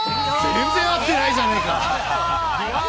全然合ってないじゃないか。